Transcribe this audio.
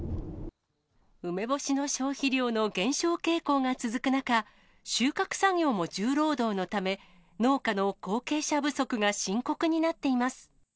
梅干しの消費量の減少傾向が続く中、収穫作業も重労働のため、農家の後継者不足が深刻になっています。